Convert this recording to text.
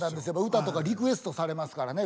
歌とかリクエストされますからね。